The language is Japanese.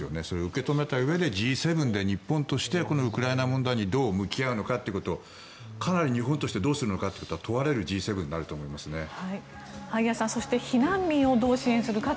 それを受け止めたうえでＧ７で日本としてこのウクライナ問題にどう向き合うのかっていうことをかなり日本としてどうするのかっていうことが問われるＧ７になると思いますね。